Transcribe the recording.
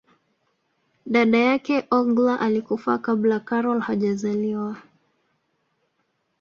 dada yake olga alikufa kabla karol hajazaliwa